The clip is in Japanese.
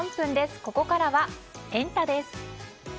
ここからはエンタ！です。